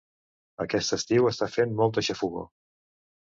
Aquest estiu està fent molta xafogor.